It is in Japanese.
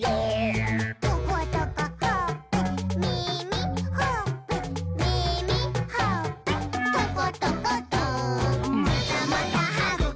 「トコトコほっぺ」「みみ」「ほっぺ」「みみ」「ほっぺ」「トコトコト」「またまたはぐき！はぐき！はぐき！